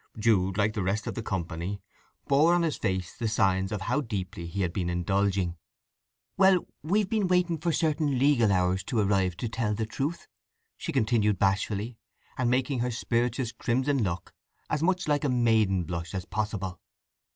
Jude, like the rest of the company, bore on his face the signs of how deeply he had been indulging. "Well, we've been waiting for certain legal hours to arrive, to tell the truth," she continued bashfully, and making her spirituous crimson look as much like a maiden blush as possible.